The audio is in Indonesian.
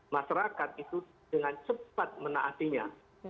masyarakat itu dengan cepat menaatinya